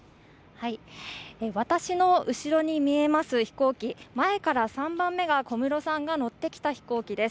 私の後ろに見えます飛行機、前から３番目が小室さんが乗ってきた飛行機です。